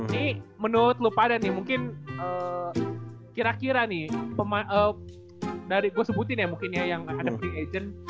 ini menurut lupa ada nih mungkin kira kira nih dari gue sebutin ya mungkin ya yang ada pre agent